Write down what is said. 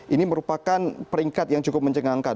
ini merupakan peringkat yang cukup mencengangkan